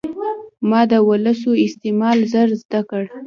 ما د وسلو استعمال ژر زده کړ.